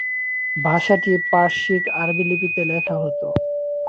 ভাষাটি পারসিক-আরবি লিপিতে লেখা হত।